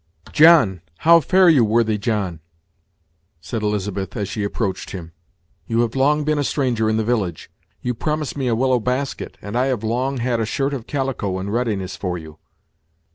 "John! how fare you, worthy John?" said Elizabeth, as she approached him; "you have long been a stranger in the village. You promised me a willow basket, and I have long had a shirt of calico in readiness for you."